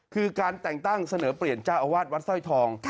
คือการแต่งตั้งเสนอเปลี่ยนเจ้าอาวาสวัดสร้อยทอง